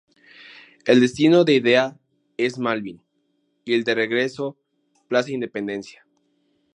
El destino de ida es Malvín y el de regreso Plaza Independencia.